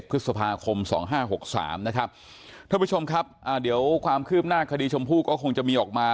พฤษภาคม๒๕๖๓นะครับท่านผู้ชมครับอ่าเดี๋ยวความคืบหน้าคดีชมพู่ก็คงจะมีออกมา